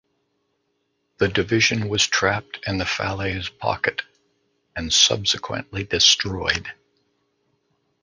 The division was trapped in the Falaise Pocket and subsequently destroyed.